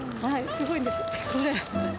すごいんです、これ。